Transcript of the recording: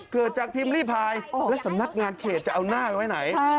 เกิดจากพิมพ์ลี่พายและสำนักงานเขตจะเอาหน้าไว้ไหน